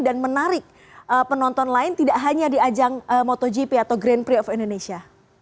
dan menarik penonton lain tidak hanya di ajang motogp atau grand prix of indonesia